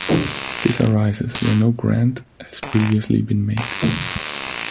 This arises where no grant has previously been made.